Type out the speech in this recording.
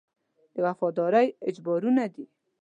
د وفادارۍ اجبارونه دي.